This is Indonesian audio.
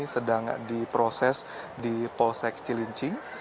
sedang diproses di polsek cilincing